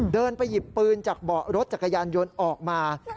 เดินไปหยิบปืนจากเบาะรถจักรยานยนต์ออกมา